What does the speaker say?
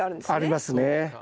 ありますね。